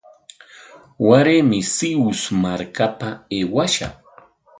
Waraymi Sihus markapa aywashaq.